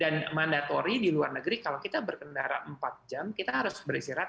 dan mandatori di luar negeri kalau kita berkendara empat jam kita harus beristirahat